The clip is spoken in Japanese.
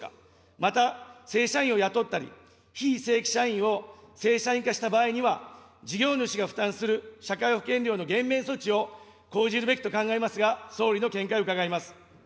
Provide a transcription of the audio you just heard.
また、正社員を雇ったり、非正規社員を正社員化した場合には、事業主が負担する社会保険料の減免措置を講じるべきと考えますが、総理の見解を伺います。